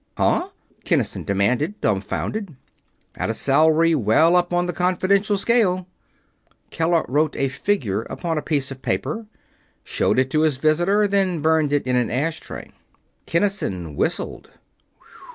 "Huh?" Kinnison demanded, dumbfounded. "At a salary well up on the confidential scale." Keller wrote a figure upon a piece of paper, showed it to his visitor, then burned it in an ash tray. Kinnison whistled.